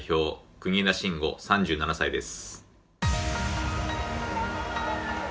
国枝慎吾、３７歳です。